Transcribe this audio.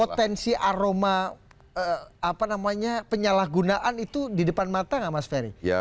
potensi aroma penyalahgunaan itu di depan mata nggak mas ferry